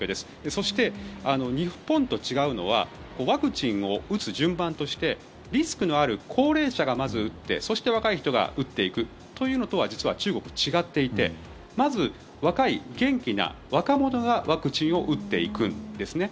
そして、日本と違うのはワクチンを打つ順番としてリスクのある高齢者がまず打ってそして若い人が打っていくというのとは実は中国は違っていてまず、若い元気な若者がワクチンを打っていくんですね。